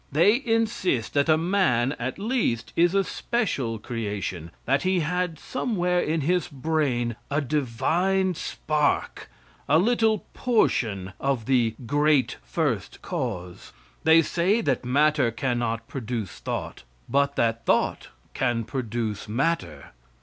They insist that man, at least, is a special creation; that he had somewhere in his brain a divine spark, a little portion of the "Great First Cause." They say that matter cannot produce thought; but that thought can produce matter.